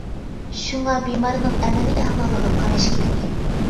شۇڭا بىمارنىڭ ئەمەلىي ئەھۋالىغا قاراش كېرەك.